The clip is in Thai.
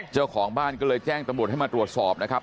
เจ้าของบ้านก็เลยแจ้งตำรวจให้มาตรวจสอบนะครับ